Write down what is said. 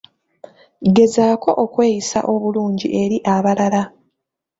Gezaako okweyisa obulungi eri abalala.